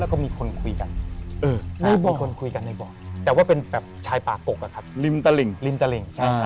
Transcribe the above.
ก็มีคนคุยกันมีคนคุยกันในบ่อแต่ว่าเป็นแบบชายปากกลิ่นตะลิ่ง